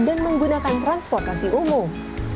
dan menggunakan transportasi umum